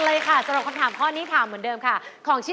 เลยเขาไปไม